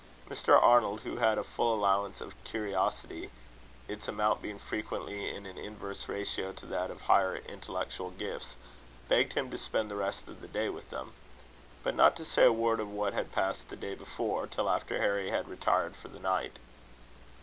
Mr. Arnold, who had a full allowance of curiosity, its amount being frequently in an inverse ratio to that of higher intellectual gifts, begged him to spend the rest of the day with them; but not to say a word of what had passed the day before, till after Harry had retired for the night.